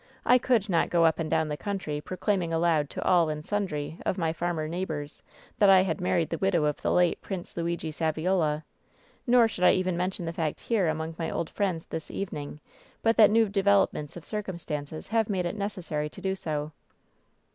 "I could not go up and down the coun try proclaiming aloud to all and simdry of my farmer neighbors that I had married the widow of the late Prince Luigi Saviola. Nor should I even mention the fact here among my old friends this evening but that new developments of circumstances have made it neces sary to do so."